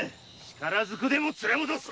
力づくでも連れ戻す。